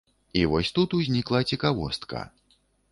І вось тут узнікла цікавостка.